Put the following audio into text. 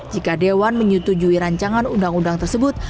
jika dewan menyetujui rancangan undang undang tersebut